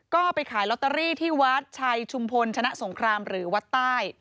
ก็ไปขายลอตเตอรี่ที่วัดชัยชุมพลชนะสงครามหรือวัดใต้